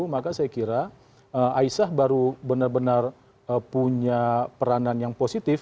maka saya kira aisyah baru benar benar punya peranan yang positif